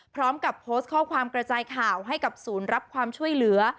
พร้อมกับโพสต์ข้อความกระจายข่าวให้กับศูนย์รับความช่วยเหลือ